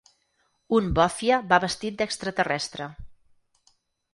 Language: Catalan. Un bòfia va vestit d’extraterrestre.